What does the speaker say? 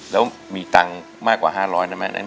แล้วมีตังค์มากกว่า๕๐๐ได้ไหม